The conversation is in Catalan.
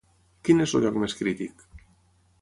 Quin és el lloc més crític?